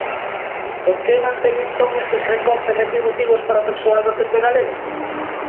¿Por que mantén entón estes recortes retributivos para o persoal docente galego?